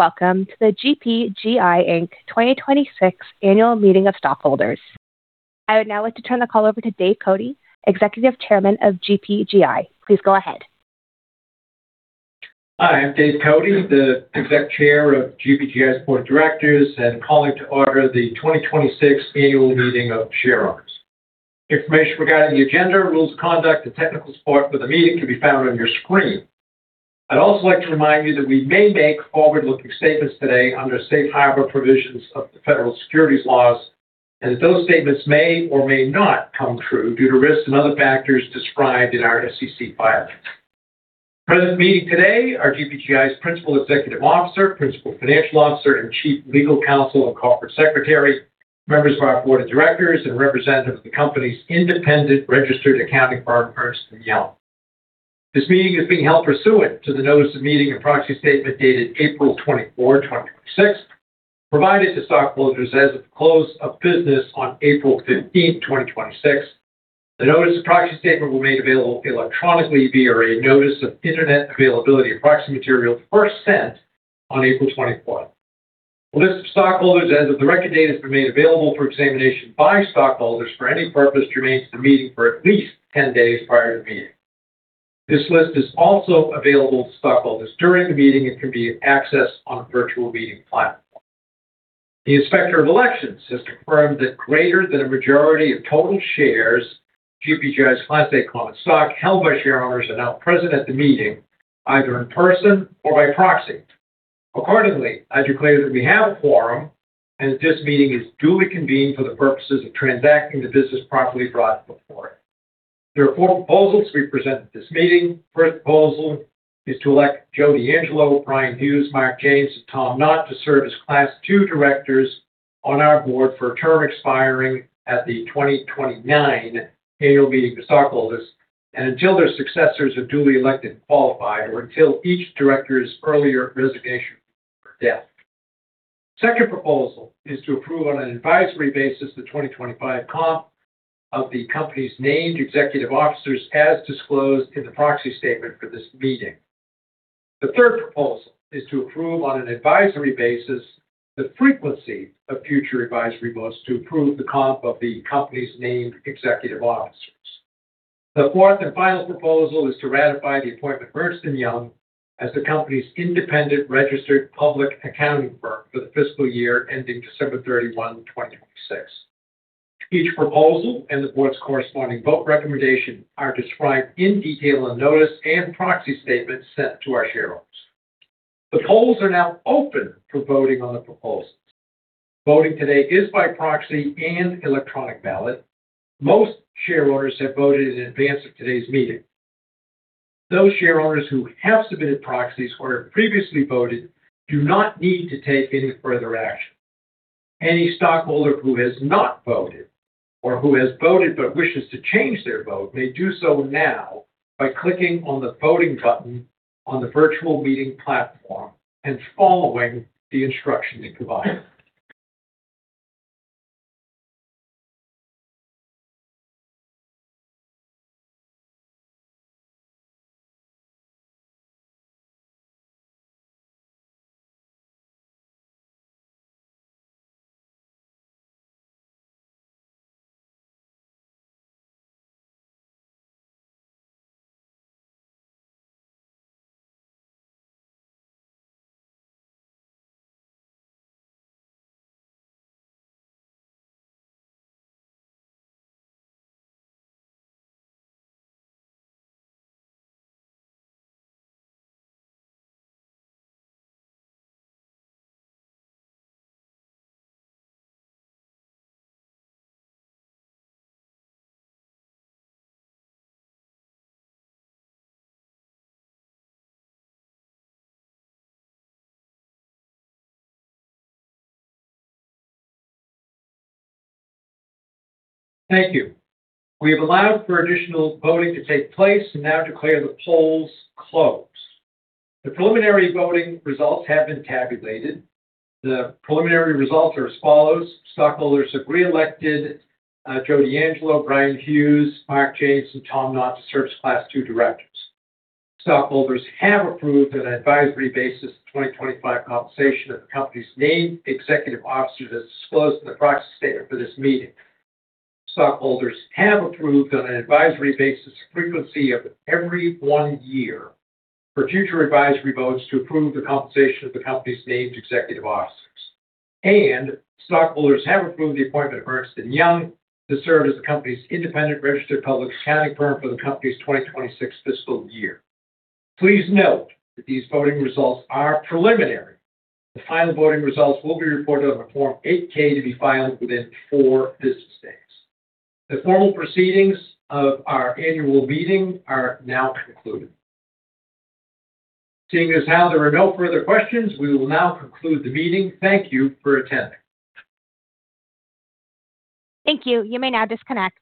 Good day, welcome to the GPGI Inc. 2026 Annual Meeting of Stockholders. I would now like to turn the call over to David Cote, Executive Chairman of GPGI. Please go ahead. Hi, I'm David Cote, the Exec Chair of GPGI's board of directors and calling to order the 2026 annual meeting of shareholders. Information regarding the agenda, rules of conduct, and technical support for the meeting can be found on your screen. I'd also like to remind you that we may make forward-looking statements today under the safe harbor provisions of the federal securities laws, and that those statements may or may not come true due to risks and other factors described in our SEC filings. Present at the meeting today are GPGI's principal executive officer, principal financial officer, and chief legal counsel and corporate secretary, members of our board of directors, and representatives of the company's independent registered accounting firm, Ernst & Young. This meeting is being held pursuant to the notice of meeting and proxy statement dated April 24, 2026, provided to stockholders as of the close of business on April 15, 2026. The notice of proxy statement was made available electronically via a notice of internet availability of proxy material first sent on April 24. The list of stockholders as of the record date has been made available for examination by stockholders for any purpose relating to the meeting for at least 10 days prior to the meeting. This list is also available to stockholders during the meeting and can be accessed on the virtual meeting platform. The Inspector of Elections has confirmed that greater than a majority of total shares of GPGI's Class A common stock held by shareholders are now present at the meeting, either in person or by proxy. Accordingly, I declare that we have a quorum and that this meeting is duly convened for the purposes of transacting the business properly brought before it. There are four proposals to be presented at this meeting. The first proposal is to elect Joe DeAngelo, Brian Hughes, Mark James, and Thomas Knott to serve as Class II directors on our board for a term expiring at the 2029 annual meeting of stockholders and until their successors are duly elected and qualified, or until each director's earlier resignation or death. The second proposal is to approve on an advisory basis the 2025 comp of the company's named executive officers as disclosed in the proxy statement for this meeting. The third proposal is to approve on an advisory basis the frequency of future advisory votes to approve the comp of the company's named executive officers. The fourth and final proposal is to ratify the appointment of Ernst & Young as the company's independent registered public accounting firm for the fiscal year ending December 31, 2026. Each proposal and the board's corresponding vote recommendation are described in detail in the notice and proxy statement sent to our shareholders. The polls are now open for voting on the proposals. Voting today is by proxy and electronic ballot. Most shareholders have voted in advance of today's meeting. Those shareholders who have submitted proxies or have previously voted do not need to take any further action. Any stockholder who has not voted or who has voted but wishes to change their vote may do so now by clicking on the voting button on the virtual meeting platform and following the instructions provided. Thank you. We have allowed for additional voting to take place and now declare the polls closed. The preliminary voting results have been tabulated. The preliminary results are as follows: stockholders have reelected Joe DeAngelo, Brian Hughes, Mark James, and Thomas Knott to serve as Class II directors. Stockholders have approved on an advisory basis the 2025 compensation of the company's named executive officers as disclosed in the proxy statement for this meeting. Stockholders have approved on an advisory basis a frequency of every one year for future advisory votes to approve the compensation of the company's named executive officers. Stockholders have approved the appointment of Ernst & Young to serve as the company's independent registered public accounting firm for the company's 2026 fiscal year. Please note that these voting results are preliminary. The final voting results will be reported on a Form 8-K to be filed within four business days. The phone proceedings of our annual meeting are now concluded. Seeing as how there are no further questions, we will now conclude the meeting. Thank you for attending. Thank you. You may now disconnect